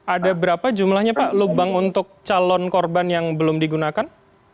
ada berapa jumlahnya pak lubang untuk calon korban yang belum digunakan